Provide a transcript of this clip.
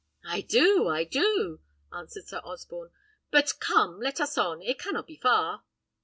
"I do, I do," answered Sir Osborne. "But, come, let us on, it cannot be far."